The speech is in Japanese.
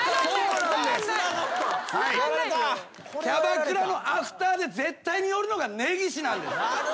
キャバクラのアフターで絶対に寄るのがねぎしなんです。